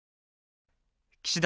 岸田